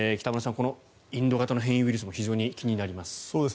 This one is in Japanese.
このインド型の変異ウイルスも非常に気になります。